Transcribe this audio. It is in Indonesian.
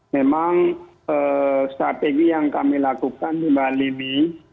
memang strategi yang kami lakukan di bali ini